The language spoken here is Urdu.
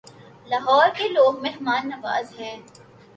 لاہور کے لوگ مہمان نواز ہیں